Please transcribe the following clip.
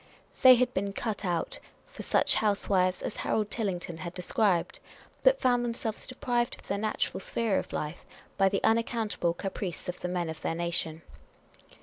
They had been cut out for such housewives as Harold Tillington had described, but found themselves deprived of their natural sphere in life by the unaccountable caprice of the men of their nation.